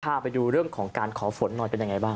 พาไปดูเรื่องของการขอฝนหน่อยเป็นยังไงบ้าง